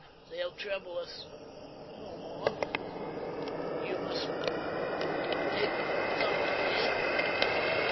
They'll trouble us no more. "You must take the top, Kay.